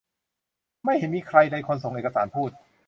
ไม่เห็นมีใครเลย คนส่งเอกสารพูด